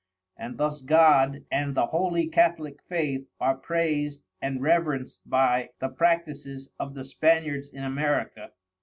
And thus God and the Holy Catholick Faith are Praised and Reverenced by the Practices of the Spaniards in America.